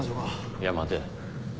いや待て。